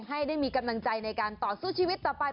ให้ได้มีกำลังใจในการต่อสู้ชีวิตต่อไป